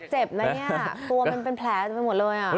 เจ็บนะเนี่ยตัวมันเป็นแผลเต็มไปหมดเลยอ่ะ